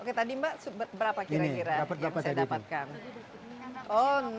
oke tadi mbak berapa kira kira yang saya dapatkan